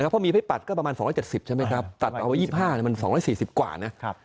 เพราะมีให้ปัดก็ประมาณ๒๗๐ใช่ไหมครับตัดเอาไว้๒๕มัน๒๔๐กว่านะ